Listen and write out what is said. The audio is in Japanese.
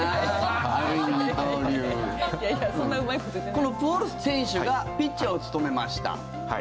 このプホルス選手がピッチャーを務めました。